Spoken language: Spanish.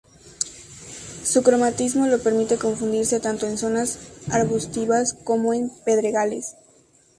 Su cromatismo le permite confundirse tanto en zonas arbustivas como en pedregales.